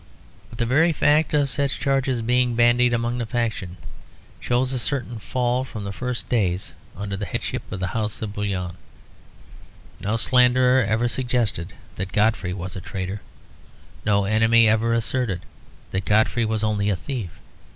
But the very fact of such charges being bandied among the factions shows a certain fall from the first days under the headship of the house of Bouillon. No slanderer ever suggested that Godfrey was a traitor; no enemy ever asserted that Godfrey was only a thief.